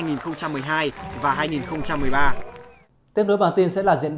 tiếp đối bản tin sẽ là diễn biến của trạng ba giải đua xe tăng